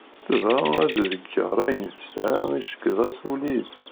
Tebɣa ad ḍegger ayen tesɛa iceggeḍ-as ul-is.